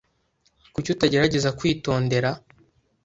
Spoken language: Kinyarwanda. Kuki utagerageza kwitondera?